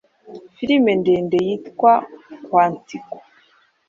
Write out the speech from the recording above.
film ndende yitwa Quantico.